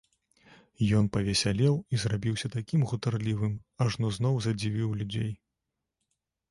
Ён павесялеў і зрабіўся такім гутарлівым, ажно зноў задзівіў людзей.